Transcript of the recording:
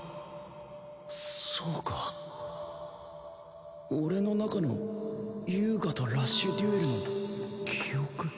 そうか俺の中の遊我とラッシュデュエルの記憶。